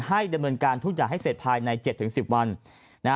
ให้ดำเนินการทุกอย่างให้เสร็จภายใน๗๑๐วัน